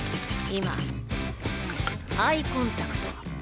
アイコンタクト。